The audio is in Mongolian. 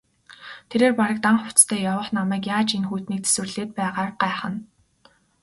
Тэрээр бараг дан хувцастай явах намайг яаж энэ хүйтнийг тэсвэрлээд байгааг гайхна.